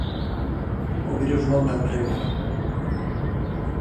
O virus non da tregua.